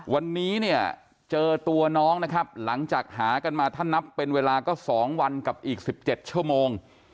วันนี้เนี่ยเจอตัวน้องนะครับหลังจากหากันมาถ้านับเป็นเวลาก็๒วันกับอีก๑๗ชั่วโมง